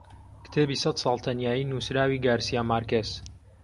کتێبی سەد ساڵ تەنیایی نووسراوی گارسیا مارکێز